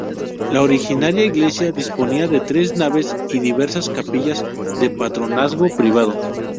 La originaria iglesia disponía de tres naves y diversas capillas de patronazgo privado.